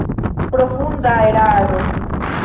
Profunda eraro!